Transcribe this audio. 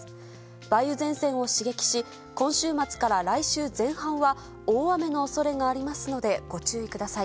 梅雨前線を刺激し今週末から来週前半は大雨の恐れがありますのでご注意ください。